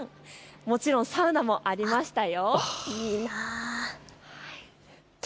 もちろんサウナもありましたよ。